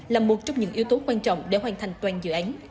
là một trong những yếu tố quan trọng để hoàn thành toàn dự án